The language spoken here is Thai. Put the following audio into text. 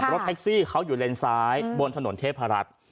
รถแท็กซี่เขาอยู่เลนซ้ายบนถนนเทพรัฐ